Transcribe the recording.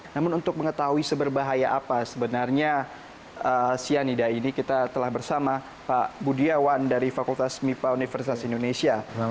namun untuk mengetahui seberbahaya apa sebenarnya cyanida ini kita telah bersama pak budiawan dari fakultas mipa universitas indonesia